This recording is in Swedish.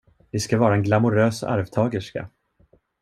Ni ska vara en glamourös arvtagerska.